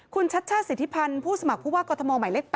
คุณชัชชาศิธิพันธ์ผู้สมัครผู้ว่ากฎมใหม่เล็ก๘